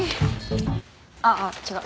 ああ違う。